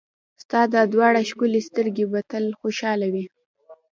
ستا دا دواړه ښکلې سترګې به تل خوشحاله وي.